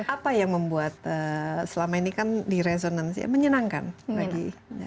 apa yang membuat selama ini kan di resonance ya menyenangkan baginya